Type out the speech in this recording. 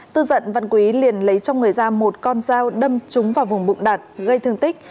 tư dận văn quý liền lấy cho người ra một con dao đâm trúng vào vùng bụng đạt gây thương tích